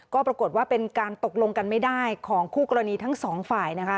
ก็ปรากฏว่าเป็นการตกลงกันไม่ได้ของคู่กรณีทั้งสองฝ่ายนะคะ